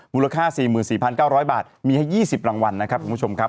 มูลค่า๔๔๙๐๐บาทมีให้๒๐รางวัลนะครับคุณผู้ชมครับ